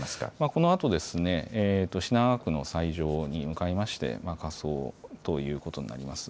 このあと品川区の斎場に向かいまして火葬ということになります。